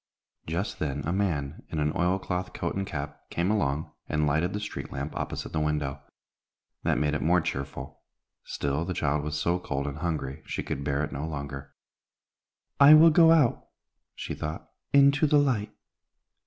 Just then a man, in an oil cloth coat and cap, came along, and lighted the street lamp opposite the window. That made it more cheerful; still, the child was so cold and hungry, she could bear it no longer. "I will go out," she thought, "into the light.